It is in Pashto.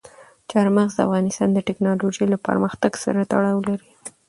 چار مغز د افغانستان د تکنالوژۍ له پرمختګ سره تړاو لري.